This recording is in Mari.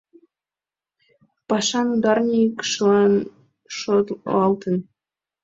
Пашан ударникшылан шотлалтын.